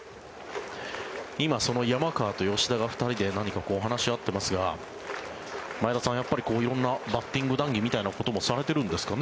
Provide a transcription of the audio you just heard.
今、その山川と吉田が２人で何か話し合っていますが前田さん、色んなバッティング談義みたいなこともされてるんですかね。